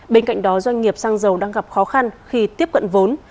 trong khi đó doanh nghiệp xăng dầu đang gặp khó khăn khi tiếp cận vốn